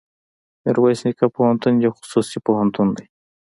ميرويس نيکه پوهنتون يو خصوصي پوهنتون دی.